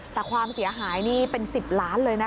แต่ความเสียหายนี่เป็น๑๐ล้านเลยนะคะ